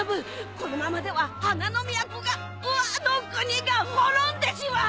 このままでは花の都がワノ国が滅んでしまう！